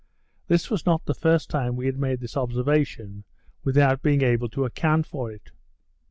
This was not the first time we had made this observation, without being able to account for it.